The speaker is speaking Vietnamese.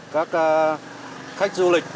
các khách du lịch